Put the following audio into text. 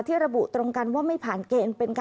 ระบุตรงกันว่าไม่ผ่านเกณฑ์